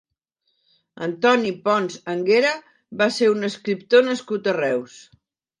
Antoni Pons Anguera va ser un escriptor nascut a Reus.